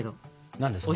何ですか？